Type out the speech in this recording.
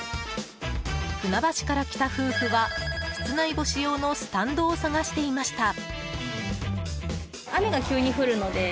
船橋から来た夫婦は室内干し用のスタンドを探していました。